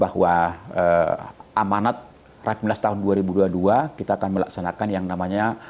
bahwa amanat rapimnas tahun dua ribu dua puluh dua kita akan melaksanakan yang namanya